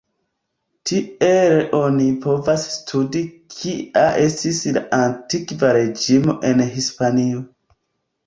Tiele oni povas studi kia estis la Antikva Reĝimo en Hispanio.